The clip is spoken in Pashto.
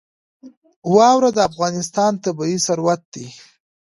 واوره د افغانستان طبعي ثروت دی.